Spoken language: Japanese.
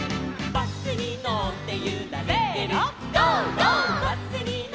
「バスにのってゆられてるゴー！